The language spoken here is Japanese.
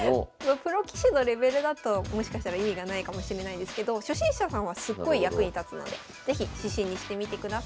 プロ棋士のレベルだともしかしたら意味がないかもしれないですけど初心者さんはすっごい役に立つので是非指針にしてみてください。